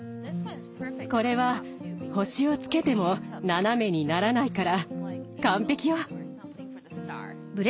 これは星をつけても斜めにならないから完璧よ。